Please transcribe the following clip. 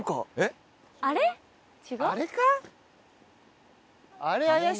あれか？